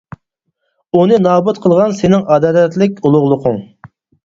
ئۇنى نابۇت قىلغان سېنىڭ ئادالەتلىك ئۇلۇغلۇقۇڭ.